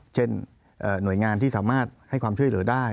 เช่นหน่วยงานที่สามารถให้ความช่วยเหลือได้